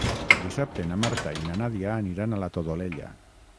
Dissabte na Marta i na Nàdia aniran a la Todolella.